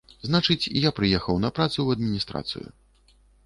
Значыць, я прыехаў на працу ў адміністрацыю.